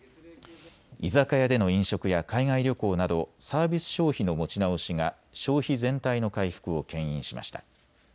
居酒屋での飲食や海外旅行などサービス消費の持ち直しが消費全体の回復をけん引しました。